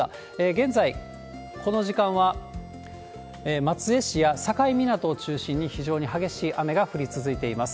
現在、この時間は松江市や境港を中心に非常に激しい雨が降り続いています。